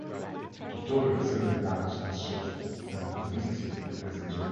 The torpedo severely damaged the ship's stern, which necessitated repairs in Germany.